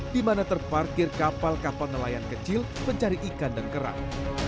di mana terparkir kapal kapal nelayan kecil pencari ikan dan kerang